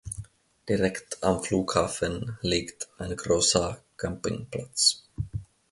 Direkt am Flughafen liegt ein großer Campingplatz.